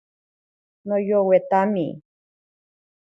Noyowetami.